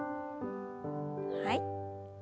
はい。